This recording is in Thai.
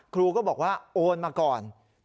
ครูก็บอกว่าโอนมาก่อน